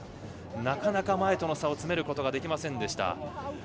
なかなか前との差を詰めることができませんでした。